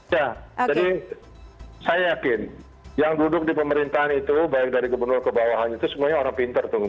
ya jadi saya yakin yang duduk di pemerintahan itu baik dari gubernur ke bawahan itu semuanya orang pintar tuh